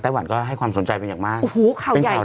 วันก็ให้ความสนใจเป็นอย่างมากโอ้โหข่าวใหญ่